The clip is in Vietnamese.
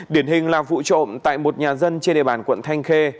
điển hình là vụ trộm tại một nhà dân trên địa bàn quận thanh khê